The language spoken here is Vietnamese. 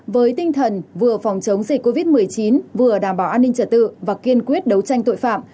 với tinh thần vừa phòng chống dịch covid một mươi chín vừa đảm bảo an ninh trật tự và kiên quyết đấu tranh tội phạm